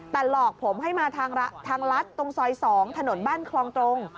แต่หลอกผมให้มาทางลัดตรงซอย๒ถนนบ้านคลองตรง